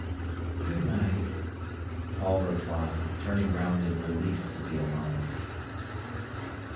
"Good night," Paul replied, turning round in relief to be alone.